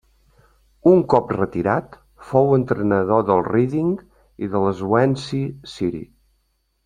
Un cop retirat fou entrenador de Reading i Swansea City.